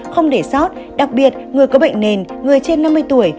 không để sót đặc biệt người có bệnh nền người trên năm mươi tuổi